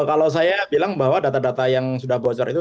kalau saya bilang bahwa data data yang sudah bocor itu